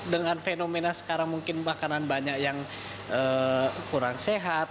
dengan fenomena sekarang mungkin makanan banyak yang kurang sehat